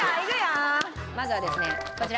まずはですねこちら。